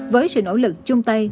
với sự nỗ lực chung tay